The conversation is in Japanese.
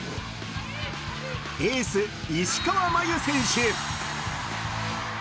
エース・石川真佑選手。